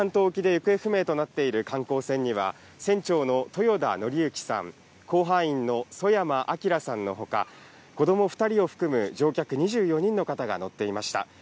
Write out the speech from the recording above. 知床半島沖で行方不明となっている観光船には、船長の豊田徳幸さん、甲板員の曽山聖さんのほか、子ども２人を含む乗客２４人の方が乗っていました。